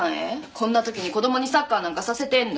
こんな時に子供にサッカーなんかさせてんの？